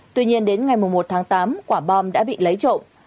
tuy nhiên đến ngày một tháng tám quả bom đã bị lấy trộm